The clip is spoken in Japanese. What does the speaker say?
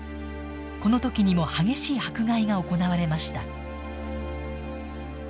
この時にも激しい迫害が行われました。